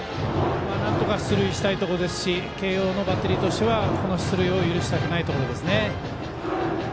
なんとか出塁したいところですし慶応のバッテリーとしてはこの出塁を許したくないところですね。